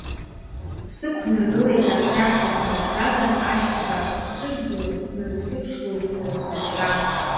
Сықәнаргылеит аԥсра ашҭа сара снаган, ашьҭа сцәырӡуа сназхьыԥшлоз сара схәыҷра.